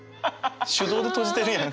手動で閉じてるやん。